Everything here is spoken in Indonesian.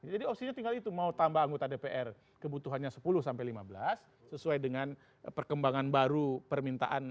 jadi opsinya tinggal itu mau tambah anggota dpr kebutuhannya sepuluh sampai lima belas sesuai dengan perkembangan baru permintaan